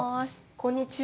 こんにちは。